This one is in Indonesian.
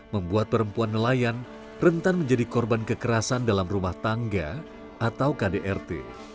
membuat perempuan nelayan rentan menjadi korban kekerasan dalam rumah tangga atau kdrt